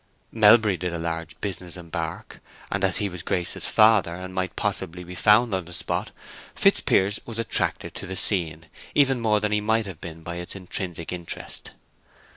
Melbury did a large business in bark, and as he was Grace's father, and possibly might be found on the spot, Fitzpiers was attracted to the scene even more than he might have been by its intrinsic interest.